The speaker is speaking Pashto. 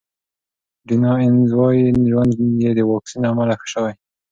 ډیانا اینز وايي ژوند یې د واکسین له امله ښه شوی.